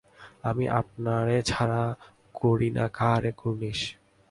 আমি আপনারে ছাড়া করি না কাহারে কুর্ণিশ।